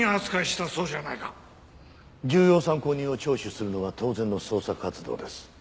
重要参考人を聴取するのは当然の捜査活動です。